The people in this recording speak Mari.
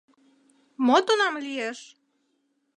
Мо тунам лиеш?